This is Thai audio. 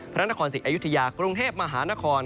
พระนครศรีอยุธยากรุงเทพมหานคร